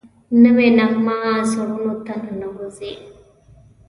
نوې نغمه زړونو ته ننوځي